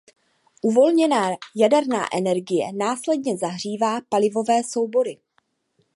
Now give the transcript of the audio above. Uvolněná jaderná energie následně zahřívá palivové soubory.